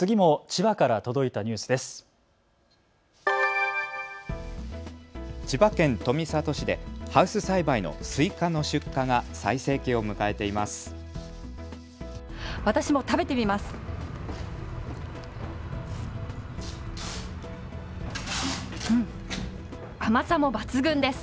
千葉県富里市でハウス栽培のスイカの出荷が最盛期を迎えています。